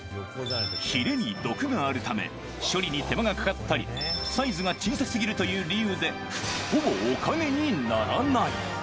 ひれに毒があるため、処理に手間がかかったり、サイズが小さすぎるという理由で、ほぼお金にならない。